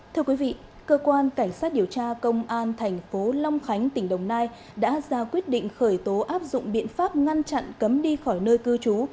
thưa quý vị cơ quan cảnh sát điều tra công an thành phố long khánh tỉnh đồng nai đã ra quyết định khởi tố áp dụng biện pháp ngăn chặn cấm đi khỏi nơi cư trú